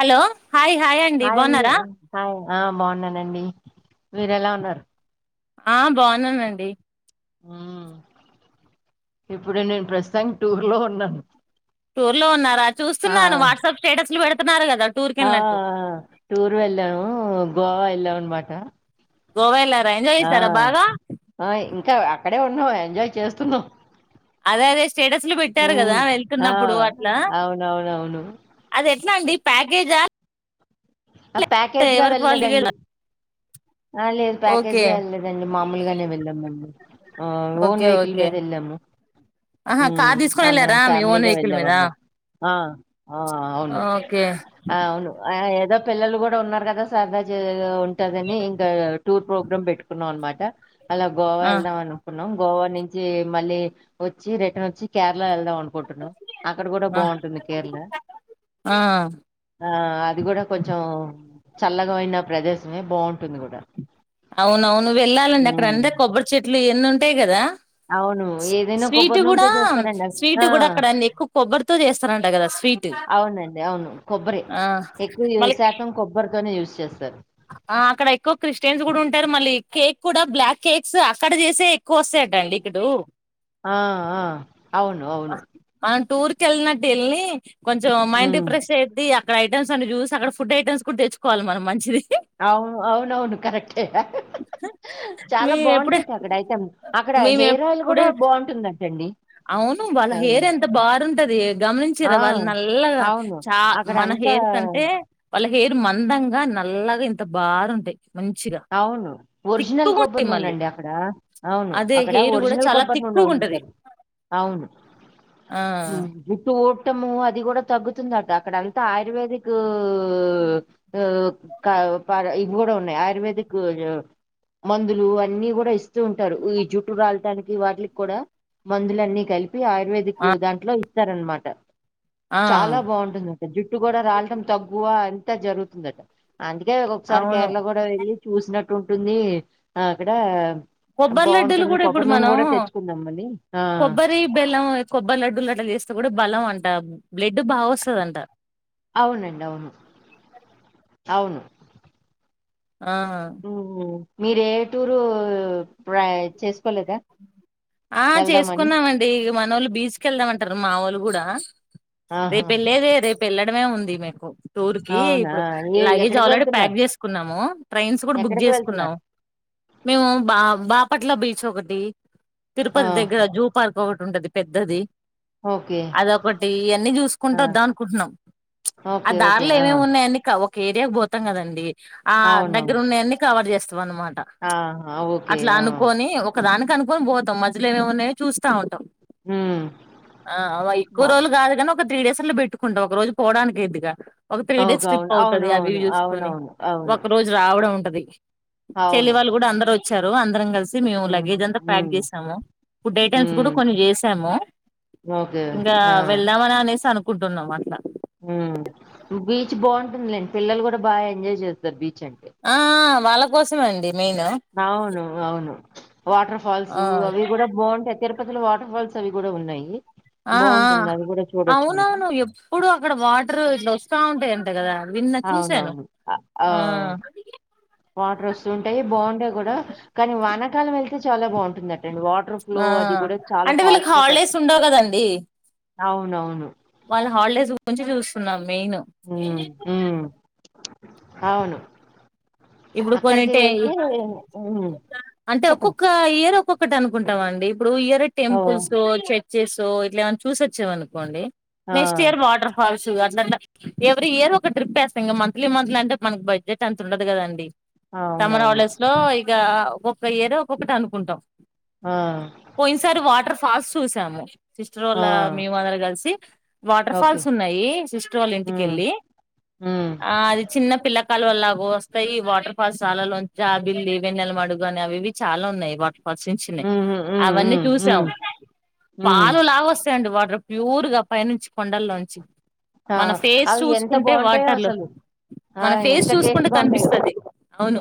Hello hi hi అండి బాగున్నారా బాగున్న నండి మీరూ ఎలా ఉన్నారు ఆ బాగున్నానండి మ్ ఇప్పుడే నేను ప్రస్తుతం టూర్ లో ఉన్నా టూర్ లో ఉన్నారా చూస్తున్నాను వాట్సాప్ స్టేటస్లు పెడత తున్నారు. గా ఆ టూర్ వెళ్ళాను గోవా వెళ్ళామనమాట గోవా వెళ్ళా ఎంజాయ్ చేశారా బాగా ఆ ఇంకా అక్కడే ఉన్నాం ఎంజాయ్ చేస్తున్నాం అదే అే స్టేటస్లు పెట్టారు కదా మ్మ్ ఆ వెళ్తున్నప్పుడు అట్లా అవునవునవును అది ఎట్లా అండి ప్యాకేజా ఆ ప్యాకేజ్గా ఎవరికి వాళ్ళు వెళ్ళదండి ఇవ్వాలా? లేదు ఓకే ప్యాకేజ్గా వెళ్ళలేదండి మామూలుగానే వెళ్ళాము. ఓన్ ఓకే వెహికల్ ఓకే మీద వెళ్ళాము. ఆహా కార్ తీసుకొని అందరం వెళ్ళారా మీ ఓన్ ఫ్యామిలీగా వెహికల్ వెళ్ళాము మీద అనమాట ఆ ఆ అవును ఓకే ఆ అవును ఆ పిల్లలు కూడా ఉన్నారు కదా సరదా ఉంటదని ఇంకా టూర్ ప్రోగ్రామ్ పెట్టుకున్నాం అనమాట డ అలా గోవా ఆ వెళ్దాం అనుకున్నాం గోవా నుంచి మళ్ళీ వచ్చి రిటర్న్ వచ్చి కేరళ వెళ్దాం అక్కడ కూడా ఆ బాగుంటుంది కేరళ ఆ అది కూడా చల్లగా ఉన్నా ప్రదేశమే బాగుంటుంది కూడా అవున అవును వెళ్ళాలండి అక్కడ అంతా కొబ్బరి చెట్లు ట్లు ఇవన్నీ ఉంటాయి కదా అవును. ఏదైనా స్వీట్ కొబ్బరి నూనెతో కూడా చేస్తారండి అవి. స్వీట్ ఆ! కూడా అక్కడ అండి ఎక్కువ కొబ్బరితో చేస్తరంట కదా స్వీట్ అవునండి. అవును. కొబ్బరే. ఆ మళ గా యూజ్ చేస్తారు ఆ అక్కడ ఎక్కువ క్రిస్టియన్స్ కూడా ఉంటారు మళ్ళీ కేక్ కూడా బ్లాక్ కేక్స్ అక్కడ చేసే కోసేడ్డాండి ఇక్కడు ఆ! ఆ! అవును. అవును. అ టూర్ కెళ్ళినట్టు ఎల్లి కొంచెం మైండ్ హ్మ్. డిప్రెషన్ పెట్టి ఇగ రైట్ ఐటమ్స్ చూసి అక్కడ ఫుడ్ ఐటమ్స్ కూడా తెచ్చుకోవాలి మనం మంచివి అవును అవునవును కరెక్టే మీ చాలా ఎప్పుడే బాగుంటాయి అక్కడ అయితే అక్కడ మేము హెయిర్ ఆయిల్ కూడా ఎప్పుడే బాగుంటుందంటండి అవును వాళ్ళ హెయిర్ ఎంత బాారుంటది గమనించరా ఆ! వాళ్ళు నల్ల అవును. చా మన అక్కడంతా హెయిర్ కంటే వాళ్ళ పేరు మందంగా నల్లగా ఇంత బారుంటాయి మంచిగా అవును ఒరిజినల్ కొబ్బరి తిక్కుగుంటాయి నూనె మళ్ళీ అండి అక్కడ అవును అదే అక్కడ హెయిర్ కూడా ఒరిజినల్ చాలా కొబ్బరి నూనె తిక్కుగుంటది వండుతారు అవును ఆ ము కోటము అది కూడా తగ్గుతుంది అ అక్కడ అంతా ఆయుర్వేదిక్ ఆ ఆ హ ఇది కూడా కూడా ఉన్నయి ఆయుర్వేద ఇక్కడ మందులు అన్నీ కూడా ఇస్త వస్తు ఉంటారు ఈ జుట్టు రాలటానికి వాటిలికి కూడా మందులన్నీ కలిపి ఆయుర్వేదిక్ ఆ దాంట్లో ఇస్తారన్న మాట ఆ చాలా బాగుంటుందంట జుట్టు కూడా రాలటం తగ్గువ అ ఎంత జరుగుతుందట అందుకే ఒకసారి అవును కేరళ కూడా వెళ్ళి చూసినట్టు ఉంటుంది ఆ అక్కడ కొబ్బరి లడ్డూలు బాగుంటుంది కూడా ఇప్పుడు కొబ్బరి నూనె మనం కూడా తెచ్చుకుందాం మళ్ళీ ఆ కొబ్బరి బెల్లం కొబ్బరి లడ్డూలు అట్టలా చేస్తే కూడా బలం అంటా బ్లడ్ బాగా వస్తుందంట అవునండి అవును అవును ఆ ఓ మీరు ఏ టూరు ప్రయాణ చేసుకోలేదా ఆ వెళ్దామని చేసుకున్నామండి మన వాళ్ళు బీచ్ కి వెళ్దామంటారు మా వాళ్ళు కూడా ఆ ఆహా రేపు ఎలేది రేపు ఎలా అడం మేముంది ఉంది మీకు టూర్ కి అవునా ఇప్పుడు ఏ లగేజ్ ఎక్కడికి ఆల్రెడీ ప్యాక్ వెళ్తున్నారు చేసుకున్నాము ట్రైన్స్ కూడా బుక్ ఎక్కడికి చేసుకున్నాము వెళ్తున్నారు మేము బా బా బాపట్ల బీచ్ ఒకటి తిరుపతి ఆ దగ్గర జూ పార్క్ ఒకటి ఉంటది పెద్దది ఓకే. అదొకటి ఇవన్నీ ఆ! చూసుకుంటూ వద్దాం అనుకుంటున్నాం ఆ ఓకే. ఓకే. దారిలో ఆ! ఏమేమి ఉన్నాయనిక ఒక కేరియాకు పోతాం కదండి ఆ అవునవును. దగ్గర ఉన్నవన్ని కవర్ చేస్త వని మాట ఆహా! ఓకే. అట్లా ఆ! అనుకొని ఒకదానికి కనుక్కోని పోతాం మధ్యలో ఏవేవో ఉన్నాయో చూసి తాగుతాం హ్మ్. ఆ అ ఎక్కువ రోజులు కాదు కానీ ఒక త్రీ డేస్ లో పెట్టుకుంటాం ఒక రోజు పోవడానికి ఐద్దిగా ఒక త్రీ ఓకే. డేస్ అవును. ట్రిప్ అవుతది ఆ వ్యూ అవునవును. చూసుకుని అవునవును. అవును. ఒక రోజు రావడం ఉంటది చెల్లి అవును. వాళ్ళు కూడా అందరూ వచ్చారు అందరం కలిస్ మేము హ్మ్. లగేజ్ంత హ్మ్. ప్యాక్ చేసి ఫుడ్ ఐటమ్స్ కూడా హ్మ్. కొన్ని చేసాము ఓకే. ఇంకా ఆ! వెళ్దామని అనేసి అను కుంటున్నాం అట్లా బీచ్ బాగుంటుందిలేండి పిల్లలు కూడా బాగా ఎంజాయ్ చేస్తారు బీచ్ అంటే. ఆ ఆ వాళ్ళ కోసమే అండి మెయిన్ ఆ అవును అవును వాటర్ ఫాల్సు అవి కూడా బాగుంటాయ్ తిరు తిరుపతి లో వాటర్ ఫాల్స్ అవి కూడా ఉన్నాయి అ ఆ బావుంటుంది. అది గూడా చూడొచ్చు మీరు. అవునవును ఎప్పుడు అక్కడ వాటర్ ఇట్లా వస్తా ఉంటాయి విన్న చూసాను అవునవును. అ ఆ వాటర్ వస్తుూంటాయి బాగుంటాయి కూడా కానీ వనకాలం వెళ్తే చాలా బాగుంటుందండి ఆ అంటే వీళ్ళకి గా హాలిడేస్ పడుతుంది ఉండవు కదండీ అవునవును వాళ్ళ హాలిడేస్ గురించి చూస్తున్నాం మెయిను ఉమ్, ఉమ్, అవును అక్కడికి వెళ్తే ఉమ్, అంటే చెప్పండి ఒక్కొక్క ఇయర్ ఒక్కొ ఇప్పటి అనుకుంటాం అండి ఇప్పుడు ఇయర్ ఓ టెంపుల్స్ చ చేసో ఇట్లా ఏమన్నా చూసి వొచ్చావ అనుకోండి ఆ, next year waterfalls at every year ఒక ట్రిప్ వేస్తాంక మంత్లీ మంత్లీ అంటే మనకు బడ్జెట్ ఎంత ఉండదు కదండి సమ్మర్ అవునవును హాలిడేస్ లో ఇగా ఒక్క ఇయర్ ఒక్కొటి అనుకుంటాం ఆ, పోయినసారి వాటర్ ఫాల్స్ చూసాము సిస్టర్ ఆ, వాళ్ళ మేము అందరం కలిసి వాటర్ ఓకే ఫాల్స్ ఉన్నాయి సిస్టర్ వాళ్ళ ఇంటిక ఉమ్, వెళ్ళి ఉమ్, ఆ అది చిన్న పిల్ల కాలు వల్లా పో ాయి వాటర్ ఫాల్స్ చాలలో బిల్లి వెన్నెల మడుగుగాని అవి ఇవి చాలా ఉన్నాయి వా వసించినాయి ఉమ్, ఉమ్, అవన్నీ ఉమ్, ఉమ్, చూసాం ఉమ్, పాలు లాగ వస్తాయండి వాటర్ ప్యూరుగా పైనుంచి కొండల్లోంచి ఆ మన ఫేస్ అవి ఎంత చూసుకుంటే బాగుంటాయో వాటర్లు అసలు ఆ ఎంత టేస్ట్ గా ఉంటాయో కనిపిస్తుంది అవును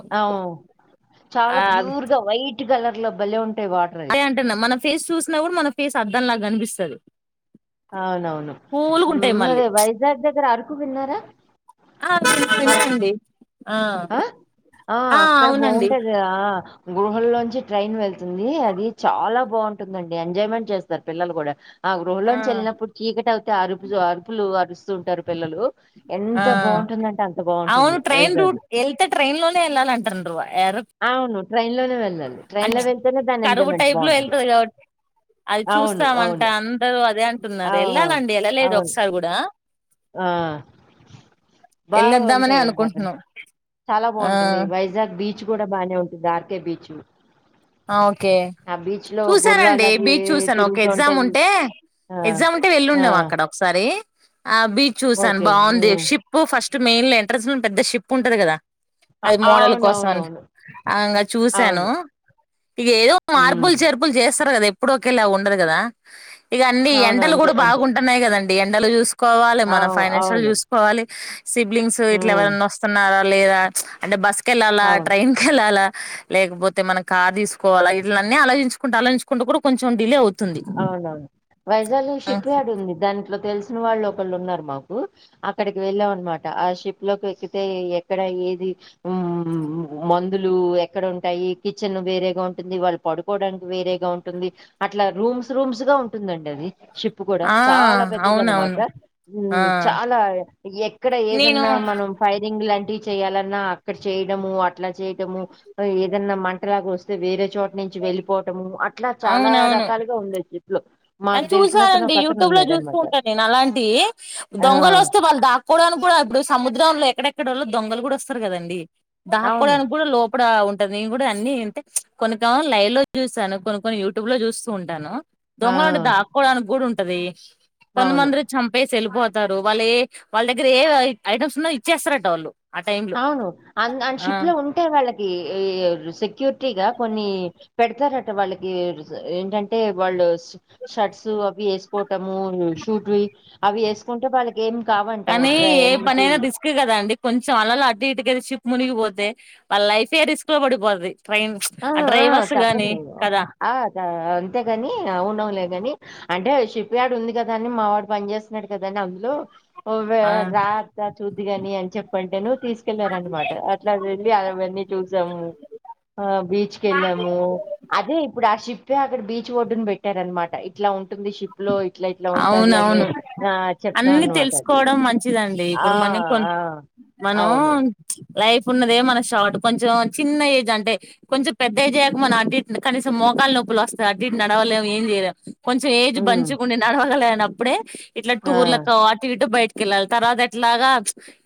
చాలా ఆ ప్యూర్ గా వైట్ కలర్ లో బలే ఉంట అదే అంటున్న మన ఫేస్ చూసినా కూడా మన ఫేస్ అర్ధం లాగా అనిపిస్తుంది సరే అవునవును మళ్ళీ అదే వైజాగ్ దగ్గర అరకు విన్నారా ఆ అరకు విన్నానండి ఆ ఆ అక్కడ బాగుంటది గృహల్లోంచి ట్రైన్ వెళ్ ంది అది చాలా బాగుంటుందం ఎజాయ్మెంట్ చేస్తారు పిల్లలు కూడా ఆ గృహ లోని వెల్లినప్పుడు చీకట అవు అరుపులు అరుపులు అరు వస్తుంటారు పిల్లలు ఆ ఎంత బాగుంటుందంటే అంత అవును బాగుంటుంది ట్రైన్ వైజాగ్ రూట్ వెళ్తే ట్రైన్ లోనే వెళ్ళాల అంటారున్నారు్ర అవును ట్రైన్ లోనే వెళ్ళడి అే కరువు టైప్ లో వెళ్తుంది కాబట్టి అది అవును చూస్తామంట అవును అందరుూ అదే అంట ఆ అంటున్నారు ఎళ్ళాలండి ఎలాలేదు అవును ఒకసారి కూడా ఆ వెళ్ళొద్దామనే బాగుంటాయిగ్గర అనుకుంటున్నాం చాలా బాగుంటుంది వైజాగ్ బీచ్ కూడా బాగానే ఉంట దార్క బీచ్ ఓకే ఆ బీచ్ లో గుర్రాలు చూసానండి అవి బీచ్ చూసాను ఓే ఎగ్జామ్ తిరుగుతుంటాయి ఉంటే ఆ ఎగ్జామ్ ఉంటే ఆ వెళ్ళుండేము అక్కడ ఒకసారి ఆ బీచ్ చూసాను ఓకే బాగుంది మ్మ్ షిప్ ఫస్ట్ మెయిన్ లో ఎంట్రన్స్ లో పెద్ద షప్ ఉంటుది కదా అది మోడల్ కోసంని అవునవునవును అకా చూసాను అవును ఇక ఏదో మ్మ్ మార్పులు చేర్పులు చేస్త వస్తారు కదా ఎప్పుడు ఒకేళ ఉండరు కదా ఇక అన్ని అవును ఎంటలు అంతే కూడా అంతే బాగుంటున్నాయి కదండి ఎండలు చూసు కోవాలి మన అవు ఫైనాన్షియల్ అవును యూస్కోవాలి సిబ్లింగ్స్ ఇట్లా మ్మ్ ఎవరన్నా వస్తున్నారా లేదా అంటే బస్ కేలాాల అవును ట్రైన్ కలాాల లేకపోతే మనకి కా తీసుకోవాలా ఇీలన్నీ ఆలచంచుకుంటే ఆలోచుంట కూడా కొంచం డిలే అవుంది అవునవును వైజాగ్ షిప్ యార్డ్ ఉంది దాంట్లో తెలుసు వాళ్ళు ఒకళ్ళు ఉన్నారు మాకు అక్కడికి వెళ్ళాం అనమాట ఆ షిప్ లోకి ఎక్కితే ఎక్కడ ఏది మందులు ఎక్కడ ఉంటాయి కిచెన్ వేరేగా ఉంటుంది వాళ్ళు పడుకోడానికి వేరేగా ఉంటుంది అట్లా రూమ్స్ రూమ్స్ గా ఉంటుందండి అది షిప్ కూడా ఆ చాలా పెద్దది అనమాట అవునవును ఆ చాలా ఎక్కడ నేను ఏదన్నా మనం ఫైరింగ్ లాంటి చేయాలన్నా అక్కడ చేయడము అట్లా చేయటము ఏదన్నా మంటలాగా వస్తే వేరే చోటు నుంచి వెళ్ళిపోవటము అట్లా చాలా అవునవును రక ఉండ చెట్లు చూసానండి ఒక అతను యూట్యూబ్ లో ఉన్నాడు చూస్తూ అనమాట ఉంటాను నేను అలాంటివి ఆ దొంగలు వస్తే వాళ్ళు దాక్కోవడానికి కూడా ఇప్పుడు సముద్రంలో లే ఎక్కడెక్కడ వాళ్ళ దొంగలు కూడా వస్తారు కదండి అవును దాకోడానికి కూడా లోపల ఉంట నేను కూడా అన్ని అంటే కొన్నికం లైవ్ లో చూసాను కొను కొని యూట్యూబ్ లో చూస్తూ ఉంటాను ఆ దొంగలు ఉే దాక్కకోడానికి కూడా ఉంటే అది కొంద అవును మంద్రి చంపే సళ్పోతారు వాళ్ళ ఏ వాళ్ళ దగ్గర ఏ ఐటమ్స్ ఉన్నాో ఇచ్చేస్తారట వాళ్ళు ఆ టైమ్ లో అవును అ అండ్ షిప్ ఆ లో ఉంటే వాళ్ళకి సెక్యూరిటీగా కొన్ని పెడతారట వాళ్ళకి ఏంటంటే వాళ్ళు షర్ట్స్ అవి వేసుకో ము సూట్వి అవి వేసుకుంటే వాళ్ళకి ఏం కావంట కానీ ఏ డ్రై పనైయినా రిస్క్ కదా అండి కొంచెం అలలా ఇటుక షిప్ మునిగిపోతే వాళ్ళ లైఫే రిస్క్ లో పడిపోతుది ఆ ఆ తప్పలేదు కదా ఆ అంతేగాని అవునవులే కాని అంటే చెప్యాడు ఉంది కదా అని మావాడు పని చేేస్తున్నాడు కదా అని అందులో ఆ రాద్దా చూద్ది ని అని చెప్పంటే ను తీసుకెళ్ళార అనమాట అట్లా వెళ్ి అవన్నీ చూసాము బీచ్ క వెళ్ళాము అదే ఇప్పుడు ఆ షిప్ే అక్కడ బీచ్ ఒడ్ని పెట్టారు అనమాట ఇట్లా ఉ ఉంటుంది షిప్ లో ఇట్లా ఇట్లా ఉంటాది అని అవునవును ఆ అన్ని చెప్తాను అంటది తెలుసుకోవడం మంచిదండి ఆ ఇప్పుడు మనం కొ మనం అవును లైఫ్ ఉన్నదే మన షార్ట్ కొంచెం చిన్న ఏజ్ అంటే కొంచెం పెద్ద ఏజ్ అయ్యా మనం అటు ఇటు కనీసం మోకాల నొప్పులు వస్తాయి అటు, ఇటు నడవలేం ఏం చేయలేము కొంచెం ఉమ్ పంచుకుండి నడవగల అప్పుడే ఇట్లా ఆ టూర్లకు అటు ఇటు బయ పిల్లల తర్వాత ఎట్లాగా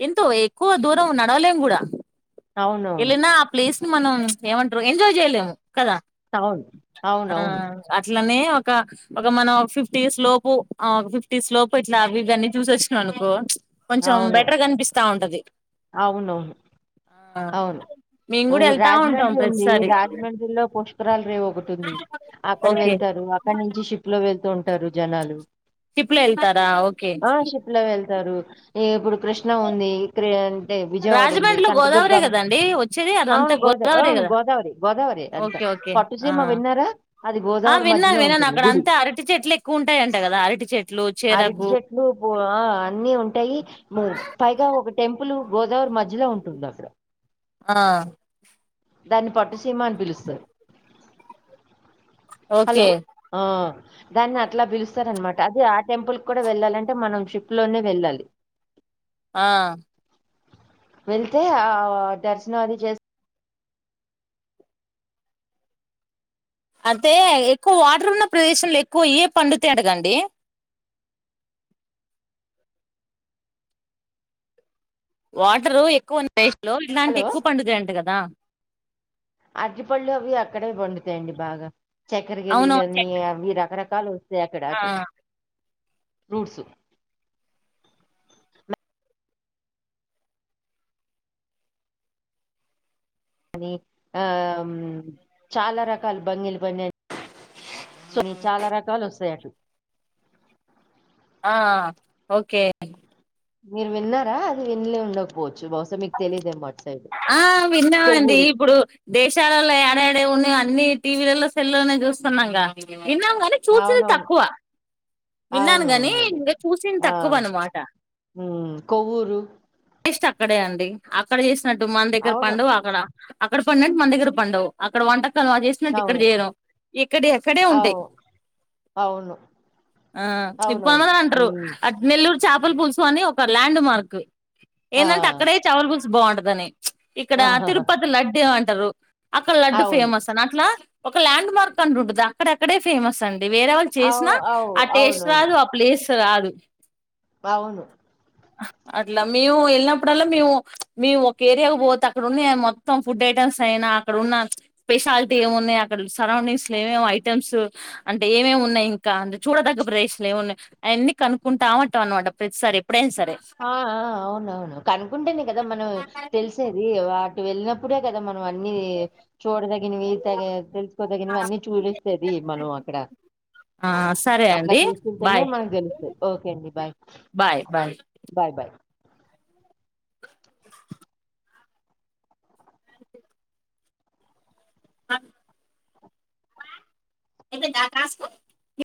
ఎంతో ఎక్కువ దూరం నడవలేం కూడా అవునవును ఎల్లినా ఆ ప్లేస్ మనం ఏమంటారు ఎంజాయ్ చేయలేము కదా అవును ఆ అవునవును అట్లనే క ఒక మనం ఫిఫ్టీస్ లోపు ఒక ఫిఫ్టీస్ లోపు ఇట్లా అవి ఇవన్నీ చూసొచ్చినామనుకో కొంచెం అవును బెటర్ కనిపిస్తా ఉంటది అవునవును ఆ అవును మేము కూడా వెళ్తా ఉంటాం రాజమండ్రి ఉంది ప్రతిసారి రాజమండ్రిలో రై ే ఒకటి ఉంది అక్కడ ఓకే వెళ్తారు అక్కడ నుంచి షిప్ లో వెళ్తూ ంటారు జనాలు షిప్లో వెల్తారా ఓకే ఆ షిప్ లో వెళ్తారు ఈ ఇప్పుడు కృష్ణ ఉంది ఇక్కడ అంటే విజయవాడ ఉంది రాజమండ్రిలో గోదావరే కనకదుర్గమ్ కదండి వచ్చేది అదంతా అవును గోదావరి గోదావరే అవును కదా గోదావరి గోదావరి అంట ఓకే ఓకే ఆ పట్టుసీమ విన్నారా అది ఆ గోదావరి విన్నాను మధ్యలో విన్నాను ఉంటుంది అక్కడ గుడి అంతా అరటి చెట్లు ఎక్కువ ఉంటాయంట కదా అరటి చెట్లు అరిటి చెరకు చెట్లు అన్నీ ఉంటాయి పైగా ఒక టెంపుల్ గోదావరి మధ్యలో ఉంటుంది అక్కడ ఆ దాన్ని పట్టుసీమ అని పిలుస్తారు హలో ఓకే ఆ దాన్ని అట్లా పిలుస్త సార అనమాట అది ఆ టెంపుల్ కూడా వెళ్ళాలంటే మనం షిప్ లోనే వెళ్ళాలి ఆ వెళ్తే ఆ దర్శనం అది చేస్త అంటే ఎక్కువ వాటర్ ఉన్న ప్రదేశంలో ఎక్కువ అయ్యి పండుతై గ అండి వాటరు ఎక్కువ స్టేట్స్ లో ఇలాంటి హలో ఎక్కువ పండుతై అంట కదా అరటిపళ్లు అవి అక్కడే పండుతాయండి బాగా చెక్కర గెలీలు అవునవును చె అని అవి రకార చలు సేకడా ఆ అటు ఫ్రూట్స్ అనీ ఆ చాలా రకాల బంగిలు ఇన్న స చాలా రకాలు వస్తాయి అండి ఆ ఓకే మీరు విన్నారా అది విన్ననే ఉండకపోవద్దు ఆ విన్నామండి కొవ్వూరు ఇప్పుడు దేశాలలో ఎడఎడ ఏమ్ ఉన్నాయో అన్ని టీవీలలో సెల్లోనే చూస్తున్నాం గా విన్నాము ని చూసింది అవునవును తక్కువ విన్నాను కాని అవునవును అది ఇంకా చూసింది ఆ తక్కువ అన్నమాట ఉమ్ కొవ్వూరు టెక్స్ట్ అక్కడే అండి అక్కడ చేసి వస్తుట్టు మన దగ్గర అవును పండవు అక్కడ అక్కడ పడింది మన దగ్గర పండువు అక్కడ వంట చేసినట్టు ఇక్కడ అవును చేయరు ఇక్కడ ఎక్కడే ఉంటాయి అవు అవును ఇ ప అవునవును అంటారు హ్మ్. అ నెల్లూరు చేపల పులుసు అని ఒక ల్యాండ్ మార్క్ ఆ! ఏందంటే అక్కడే చాల బు బాగుండదనే ఇక్కడ ఆహాహా! తిరుపతి లడ్డు అంటే ద్దరు [inaudible] అక్కడ లడ్డు అవును. ఫేమస్ అని అట్లా ఒక ల్యాండ్ మార్క్ అని ఉంటది అక్కడక్కడే ఫేమస్ అండి వేరే వాళ్ళు అవు చేసినా అవు ఆ టేస్ట్ అవునవును. రాదు ఆ ప్లేస్ రాదు అవును అట్లా మేము వెళ్ళినప్పుడల్లా మేము మేము ఒక ఏరియాకు పోతే అక్కడ ఉన్నా మొత్తం ఫుడ్ ఐటమ్స్ అయినా అక్కడ ఉన్న స్పెషాలిటీ ఏమున్నాయి అక్కడ సరౌండింగ్స్ లో ఏమేమ్ ఐటమ్స్ అంటే ఏమేమి ఉన్నాయి ఇంకా చూడదగ్గ ప్లెస్ ఏమి ఉన్నాయి అవన్నీ కనుకుంటా ఉంటాం అన్నమాట ప్రతిసారి ఎప్పుడైనా సరే ఆ అవునవును కనుకుంటేనే కదా మనం తెలిసేది వెళ్ళినప్పుడే కదా మనం అన్ని చూడదగ్గర నవి తెలుసుకోదగినవన్నీ చూపిస్తది మనం అక్కడ ఆ సరే అట్లా అండి చూస్తుంటేనే బాయ్ మనకు తెలుస్తుంది ఓకే అండి బాయ్ బాయ్ బాయ్ బాయ్ అ ఏతే కాస్ [unintelligible]